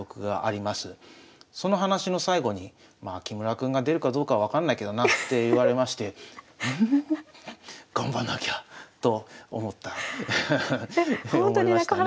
その話の最後に「まあ木村君が出るかどうかは分かんないけどな」って言われましてうん頑張んなきゃと思った思いましたね。